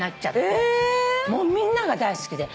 みんなが大好きで。